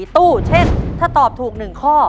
ตู้เช่นถ้าตอบถูก๑ข้อ